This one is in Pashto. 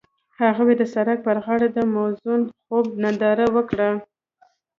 هغوی د سړک پر غاړه د موزون خوب ننداره وکړه.